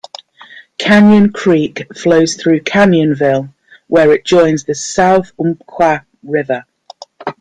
Canyon Creek flows through Canyonville, where it joins the South Umpqua River.